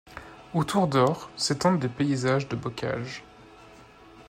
Autour d'Ors s'étendent des paysages de bocage.